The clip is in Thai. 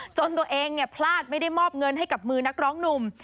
จนตัวเองพลาดไม่ได้มอบเงินให้กับมือนักร้องหนุ่ม